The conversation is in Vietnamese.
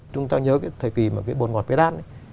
chúng ta nhớ cái thời kỳ mà cái bột ngọt bế đan